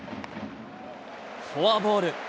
フォアボール。